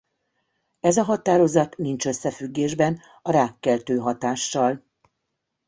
Ez a határozat nincs összefüggésben a rákkeltő hatással.